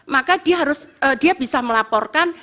maka dia harus dia bisa melaporkan